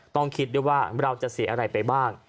ต้องคิดด้วยว่าเราจะเสียอะไรไปบ้าง